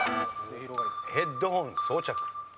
ヘッドホン装着。